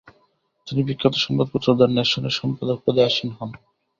তিনি বিখ্যাত সংবাদপত্র দ্য নেশন-এর সম্পাদক পদে আসীন হন।